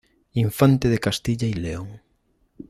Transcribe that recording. Infante de Castilla y León.